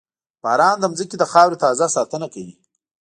• باران د زمکې د خاورې تازه ساتنه کوي.